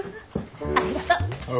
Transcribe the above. ありがとう。